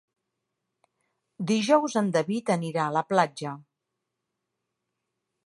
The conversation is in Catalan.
Dijous en David anirà a la platja.